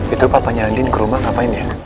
itu papanya din ke rumah ngapain ya